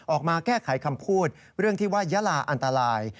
ออกมาแก้ไขคำพูดเรื่องที่ว่ายาลาอันตราย